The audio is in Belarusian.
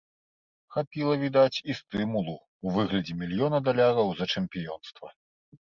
Хапіла, відаць, і стымулу ў выглядзе мільёна даляраў за чэмпіёнства.